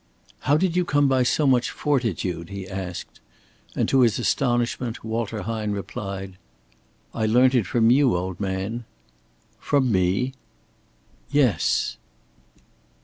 "How did you come by so much fortitude?" he asked; and to his astonishment, Walter Hine replied: "I learnt it from you, old man." "From me?" "Yes."